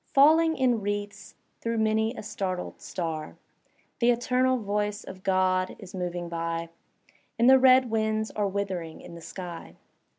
Falling in wreaths through many a startled star. The eternal voice of God is moving by. And the red winds are withering in the sky.